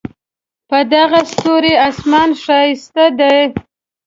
په دغه ستوري آسمان ښایسته دی